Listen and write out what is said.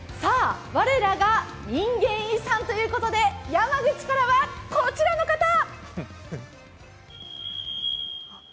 我らが人間遺産ということで山口からはこちらの方。